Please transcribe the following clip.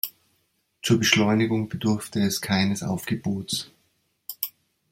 Zur Beschleunigung bedurfte es keines Aufgebots.